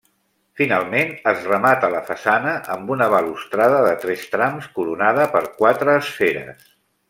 Finalment es remata la façana amb una balustrada de tres trams, coronada per quatre esferes.